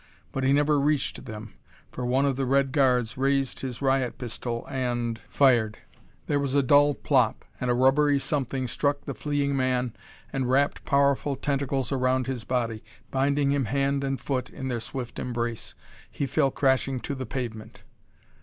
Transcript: But he never reached them, for one of the red guards raised his riot pistol and fired. There was a dull plop, and a rubbery something struck the fleeing man and wrapped powerful tentacles around his body, binding him hand and foot in their swift embrace. He fell crashing to the pavement.